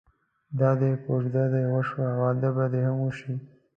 دادی کوژده دې وشوه واده به دې هم وشي.